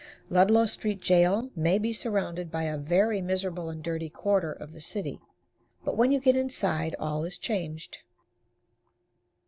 Ludlow Street Jail may be surrounded by a very miserable and dirty quarter of the city, but when you get inside all is changed.